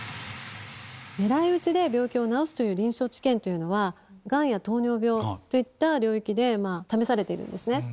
狙い撃ちで病気を治すという臨床治験というのは、がんや糖尿病といった領域で試されているんですね。